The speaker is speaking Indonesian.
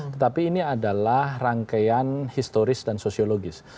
tetapi ini adalah rangkaian historis dan sosiologis